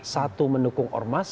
satu mendukung ormas